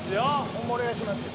お願いしますよ